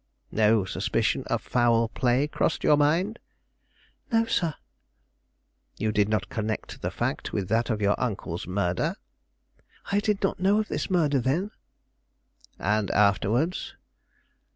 "No suspicion of foul play crossed your mind?" "No, sir." "You did not connect the fact with that of your uncle's murder?" "I did not know of this murder then." "And afterwards?"